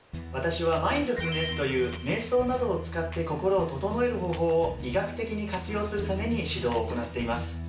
私はマインドフルネスというめい想などを使って心を整える方法を医学的に活用するために指導を行っています。